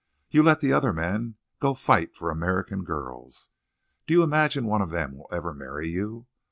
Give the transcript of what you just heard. "You let the other men go fight for American girls. Do you imagine one of them will ever marry you?...